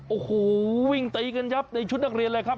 โอ้โหวิ่งตีกันยับในชุดนักเรียนเลยครับ